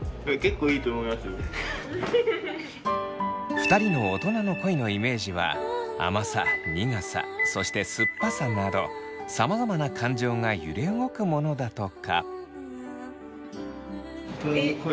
２人の大人の恋のイメージは甘さ苦さそして酸っぱさなどさまざまな感情が揺れ動くものだとか。